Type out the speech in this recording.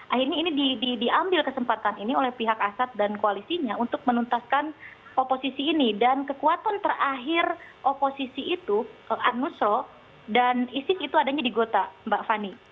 akhirnya ini diambil kesempatan ini oleh pihak asat dan koalisinya untuk menuntaskan oposisi ini dan kekuatan terakhir oposisi itu anusro dan isis itu adanya di gota mbak fani